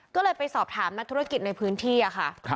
ก็เลยไปสอบถามนักธุรกิจในพื้นที่ค่ะ